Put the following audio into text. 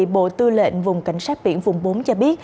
bộ tư lệnh vùng cảnh sát biển vùng bốn cho biết